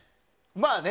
まあね。